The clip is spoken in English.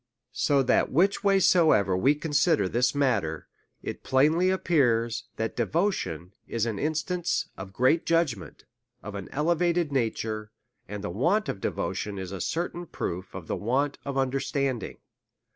So that which way soever we consider this matter, it plainly appears, that devotion is an instance of great judgment, of an elevated na ture; and the want of devotion is a certain proof of the want of understanding.